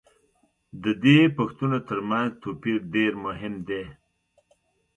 د دې پوښتنو تر منځ توپیر دېر مهم دی.